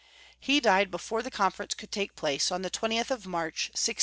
He died before the con ference could take place, on the 20th of March, 1619.